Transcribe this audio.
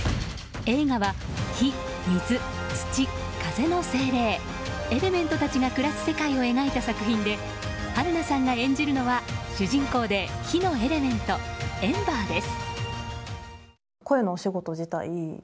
映画は火、水、土、風の精霊エレメントたちが暮らす世界を描いた作品で春奈さんが演じるのは主人公で火のエレメントエンバーです。